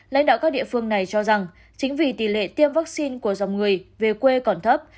lãnh đạo các địa phương này cho rằng chính vì tỷ lệ tiêm vaccine của dòng người về quê còn thấp